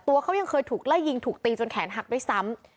ตัวเขายังเคยถูกไล่ยิงถูกตีจนแขนหักด้วยซ้ำ